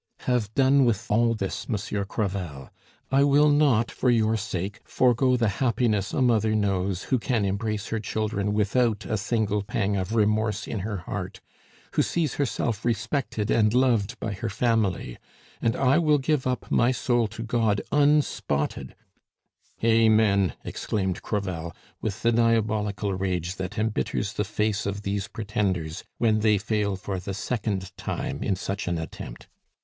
"Have done with all this, Monsieur Crevel. I will not, for your sake, forego the happiness a mother knows who can embrace her children without a single pang of remorse in her heart, who sees herself respected and loved by her family; and I will give up my soul to God unspotted " "Amen!" exclaimed Crevel, with the diabolical rage that embitters the face of these pretenders when they fail for the second time in such an attempt.